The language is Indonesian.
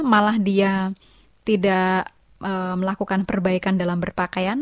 malah dia tidak melakukan perbaikan dalam berpakaian